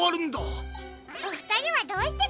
おふたりはどうしてここに？